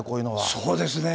そうですね。